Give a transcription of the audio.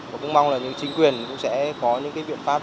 cũng mong là những chính quyền cũng sẽ có những biện pháp